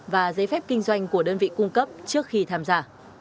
và giấy phép kinh doanh của đơn vị cung cấp trước khi tham gia